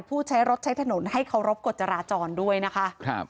ผู้ใช้รถใช้ถนนให้เคารพกฎจราจรด้วยนะคะครับ